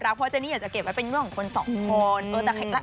เพราะเจนี่อยากจะเก็บไว้เป็นเรื่องของคนสองคน